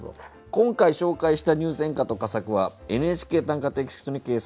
今回紹介した入選歌と佳作は「ＮＨＫ短歌」テキストに掲載されます。